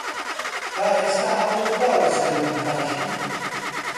تا ئێستا هەوڵت داوە سەرت بتاشیت؟